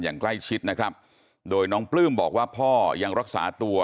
อย่างใกล้ชิดนะครับโดยน้องปลื้มบอกว่าพ่อยังรักษาตัว